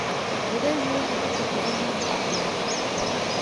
Lidé žili na tomto území již od pravěku.